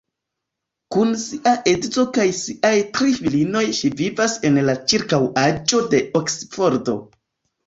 Kun sia edzo kaj siaj tri filinoj ŝi vivas en la ĉirkaŭaĵo de Oksfordo.